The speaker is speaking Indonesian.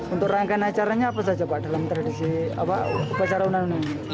untuk rangkaian acaranya apa saja pak dalam tradisi upacara unan unan